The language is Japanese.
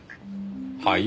はい？